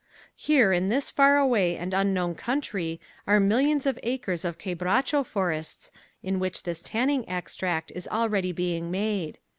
Here in this far away and unknown country are millions of acres of quebracho forests in which this tanning extract is already being made.